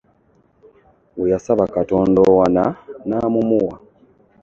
Weyasaba Katonda owana namumuwa .